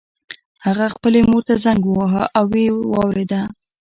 هغه خپلې مور ته زنګ وواهه او ويې واورېده.